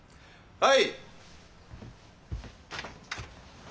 はい。